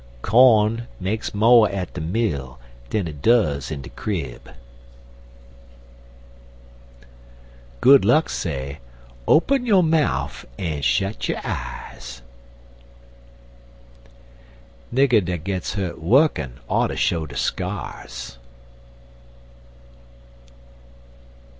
Corn makes mo' at de mill dan it does in de crib. Good luck say: "Op'n yo' mouf en shet yo' eyes." Nigger dat gets hurt wukkin oughter show de skyars.